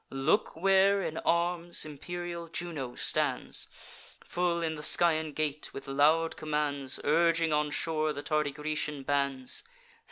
Look where, in arms, imperial Juno stands Full in the Scaean gate, with loud commands, Urging on shore the tardy Grecian bands.